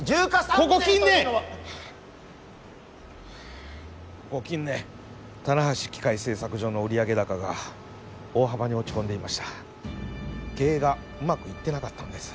ここ近年たなはし機械製作所の売上高が大幅に落ち込んでいました経営がうまくいってなかったんです